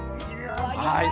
はい！